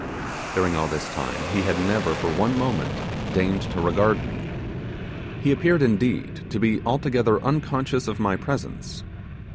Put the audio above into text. During all this time he had never, for one moment, deigned to regard me. He appeared, indeed, to be altogether unconscious of my presence.